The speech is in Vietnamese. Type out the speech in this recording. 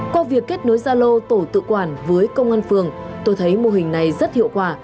qua việc kết nối gia lô tổ tự quản với công an phường tôi thấy mô hình này rất hiệu quả